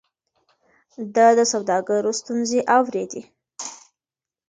ده د سوداګرو ستونزې اورېدې.